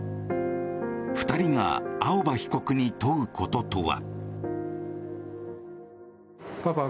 ２人が青葉被告に問うこととは。